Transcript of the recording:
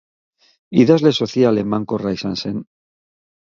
Idazle sozial emankorra izan zen.